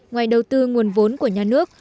ngoài đầu tư nguồn vốn của nhà nước